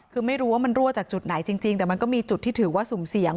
คือไม่รู้ว่ามันรั่วจากจุดไหนจริงแต่มันก็มีจุดที่ถือว่าสุ่มเสี่ยง